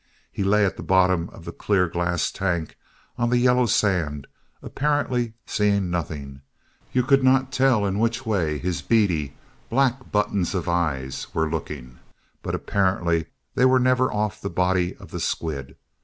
He lay at the bottom of the clear glass tank on the yellow sand, apparently seeing nothing—you could not tell in which way his beady, black buttons of eyes were looking—but apparently they were never off the body of the squid.